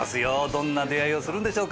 どんな出会いをするんでしょうか？